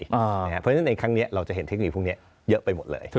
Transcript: เพราะฉะนั้นในครั้งนี้เราจะเห็นเทคนิคพวกนี้เยอะไปหมดเลย